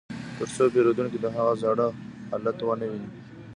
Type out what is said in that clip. ترڅو پیرودونکي د هغه زاړه حالت ونه ویني